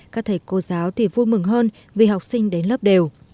các thầy cô giáo thì vui mừng hơn vì học sinh đến lớp đều